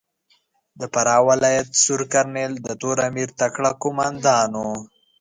د فراه ولایت سور کرنېل د تور امیر تکړه کومندان ؤ.